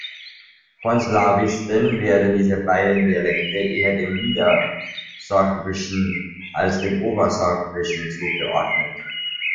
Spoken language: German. Von Slawisten werden diese beiden Dialekte eher dem Niedersorbischen als dem Obersorbischen zugeordnet.